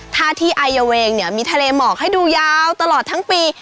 ท่าที่อายเวงเนี่ยมีทะเลหมอกให้ดูยาวตลอดทั้งปี